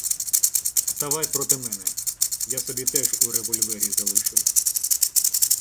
— Ставай проти мене, я собі теж у револьвері залишив.